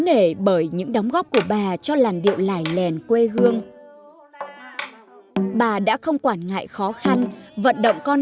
để bởi những đóng góp của bà cho làn điệu lải lèn quê hương bà đã không quản ngại khó khăn vận động con